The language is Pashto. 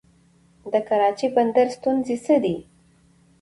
د کراچۍ بندر ستونزې څه دي؟